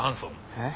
えっ？